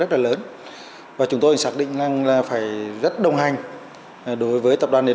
trong thời gian vừa qua